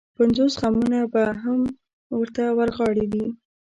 پنځوس غمونه به هم ورته ورغاړې وي.